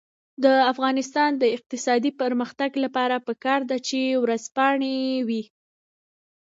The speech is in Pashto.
د افغانستان د اقتصادي پرمختګ لپاره پکار ده چې ورځپاڼې وي.